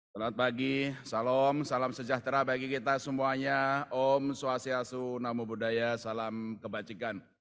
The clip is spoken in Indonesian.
selamat pagi salam salam sejahtera bagi kita semuanya om swastiastu namo buddhaya salam kebajikan